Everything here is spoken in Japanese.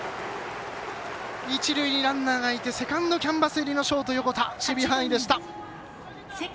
一塁にランナーがいてセカンドキャンバス寄りのショート、横田、守備範囲でした。